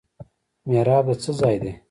محراب د څه ځای دی؟